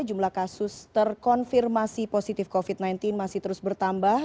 jumlah kasus terkonfirmasi positif covid sembilan belas masih terus bertambah